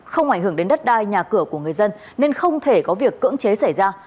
không ảnh hưởng đến đất đai nhà cửa của người dân nên không thể có việc cưỡng chế xảy ra